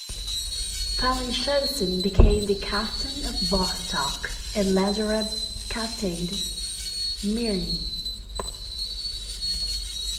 Bellingshausen became the captain of "Vostok", and Lazarev captained "Mirny".